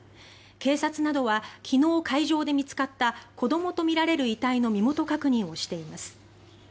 警察などは昨日、海上で見つかった子どもとみられる遺体の身元確認をしています。